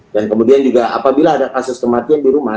dan kemudian juga apabila ada kasus kematian di rumah